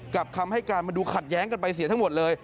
คำให้การมันดูขัดแย้งกันไปเสียทั้งหมดเลย